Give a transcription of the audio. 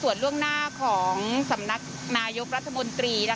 ส่วนเรื่องหน้าของสำนักนายุพระรัฐมนตรี